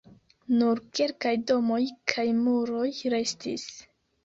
Nur kelkaj domoj kaj muroj restis.